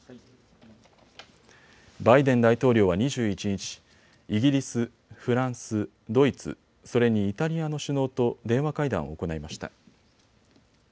バイデン大統領は２１日、イギリス、フランス、ドイツ、それにイタリアの首脳と電話会談を行いました。